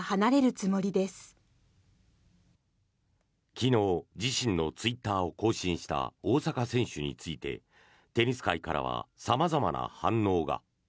昨日、自身のツイッターを更新した大坂選手についてテニス界からは様々な反応が。